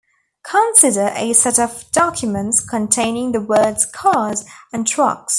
Consider a set of documents containing the words "cars" and "trucks".